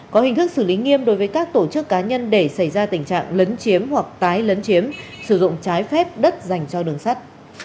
có hình thức xử lý nghiêm đối với các tổ chức cá nhân để xảy ra tình trạng lấn chiếm hoặc tái lấn chiếm sử dụng trái phép đất dành cho đường sắt